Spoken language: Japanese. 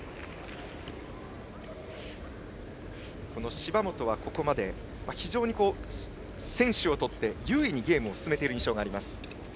芝本はここまで非常に先取を取って優位にゲームを進めている印象があります。